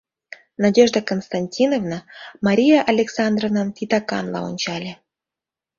Надежда Константиновна Мария Александровнам титаканла ончале.